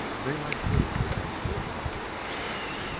Daylight put it into his coat pocket.